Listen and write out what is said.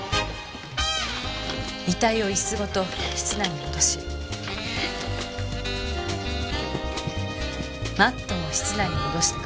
遺体を椅子ごと室内に戻しマットも室内に戻してから。